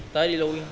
tới đi lui